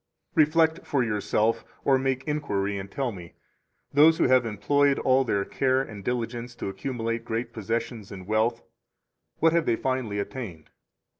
43 Reflect for yourself or make inquiry and tell me: Those who have employed all their care and diligence to accumulate great possessions and wealth, what have they finally attained?